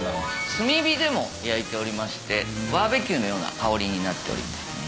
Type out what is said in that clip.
炭火でも焼いておりましてバーベキューのような香りになっておりますね。